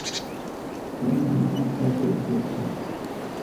ცხენი მიდის და გოგდება